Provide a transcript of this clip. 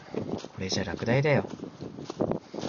これじゃ落第だよ。